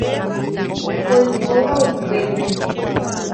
Oikóva upépe.